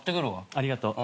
ありがとう。